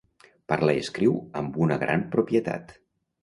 Parla i escriu amb una gran propietat.